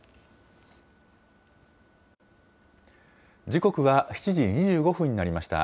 時刻は７時２５分になりました。